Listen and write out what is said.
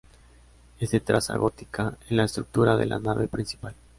Es de traza gótica en la estructura de la nave principal.